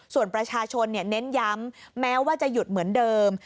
ส่วนประชาชนเน้นย้ำแม้ว่าจะหยุดเหมือนเดิม